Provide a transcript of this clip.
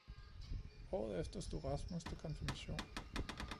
Året efter stod rasmus til konfirmation